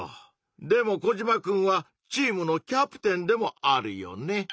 でもコジマくんはチームの「キャプテン」でもあるよね？